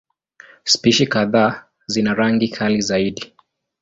Spishi kadhaa zina rangi kali zaidi.